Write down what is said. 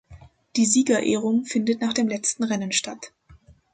Die Siegerehrung findet nach dem letzten Rennen statt.